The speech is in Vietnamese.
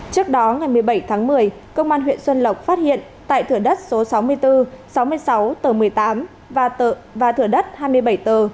trước đó ngày một mươi bảy tháng một mươi công an huyện xuân lộc phát hiện tại thửa đất số sáu mươi bốn sáu mươi sáu tờ một mươi tám và thửa đất hai mươi bảy tờ